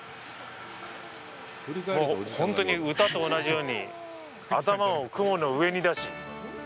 もう本当に、歌と同じように頭を雲の上に出し。